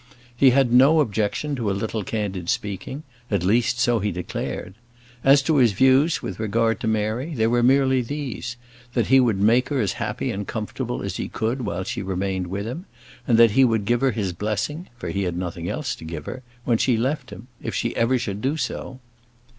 He had no objection to a little candid speaking; at least, so he declared. As to his views with regard to Mary, they were merely these: that he would make her as happy and comfortable as he could while she remained with him; and that he would give her his blessing for he had nothing else to give her when she left him; if ever she should do so.